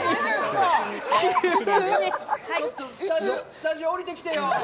スタジオおりてきてよ！